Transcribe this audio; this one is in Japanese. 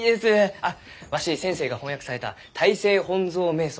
あっわし先生が翻訳された「泰西本草名疏」